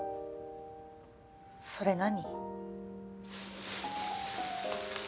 それ何？